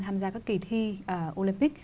tham gia các kỳ thi olympic